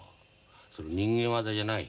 その人間業じゃない。